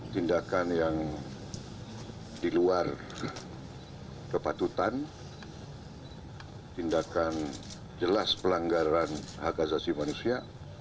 tindakan yang diluar kepatutan tindakan jelas pelanggaran hak azasi manusia